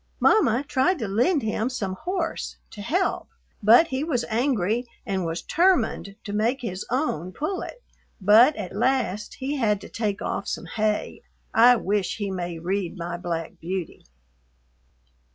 Mama tried to lend him some horse to help but he was angry and was termined to make his own pull it but at last he had to take off some hay I wish he may read my Black Beauty.